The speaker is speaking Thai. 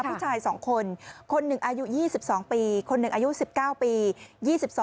ผู้ชาย๒คนคนหนึ่งอายุ๒๒ปีคนหนึ่งอายุ๑๙ปี